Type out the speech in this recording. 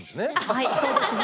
はいそうですね。